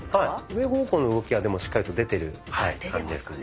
上方向の動きはでもしっかりと出てる感じですね。